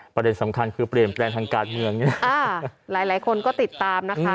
ประเด็นสำคัญคือเปลี่ยนแปลงทางการเมืองเนี่ยอ่าหลายหลายคนก็ติดตามนะคะ